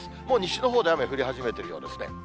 もう西のほうで雨降り始めているようですね。